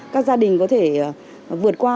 các gia đình có thể vượt qua